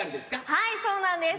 はいそうなんです。